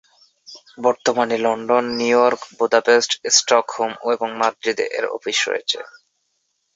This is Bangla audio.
বর্তমানে London, New York, Budapest, Stockholm এবং মাদ্রিদে এর অফিস রয়েছে।